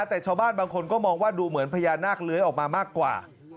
แต่ชาวบ้านบางคนก็มองว่าดูเหมือนพญานาคเลื้อยออกมามากกว่า